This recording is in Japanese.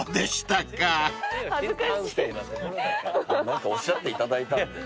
何かおっしゃっていただいたんで。